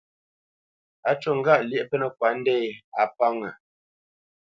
Á ncú ŋgâʼ lyéʼ pə́nə́kwa ndě, a pánŋə́.